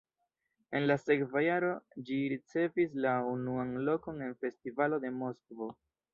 En la sekva jaro ĝi ricevis la unuan lokon en festivalo de Moskvo.